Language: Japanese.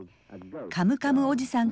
カムカムおじさん